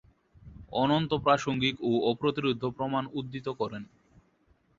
অনন্ত প্রাসঙ্গিক এবং অপ্রতিরোধ্য প্রমাণ উদ্ধৃত করেন।